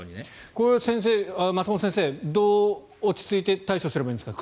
これ松本先生どう落ち着いて対処すればいいんですか。